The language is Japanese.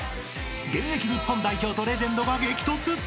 ［現役日本代表とレジェンドが激突］